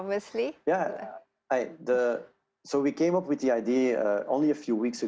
jelas itu adalah bagian yang tepat dari pandangan penjualan